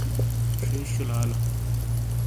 شیش شولالو